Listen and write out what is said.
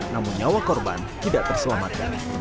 namun nyawa korban tidak terselamatkan